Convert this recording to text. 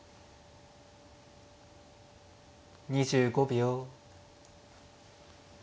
２５秒。